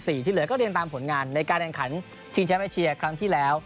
ที่เหลือก็เรียนตามผลงานในการแข่งขันชิงแชมป์เอเชียครั้งที่แล้ว